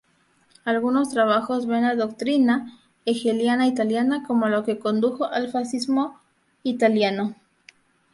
Algunos trabajos ven la doctrina hegeliana italiana como lo que condujo al fascismo italiano.